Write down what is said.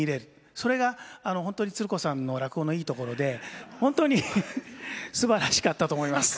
それが本当につる子さんの落語のいいところで本当にすばらしかったと思います。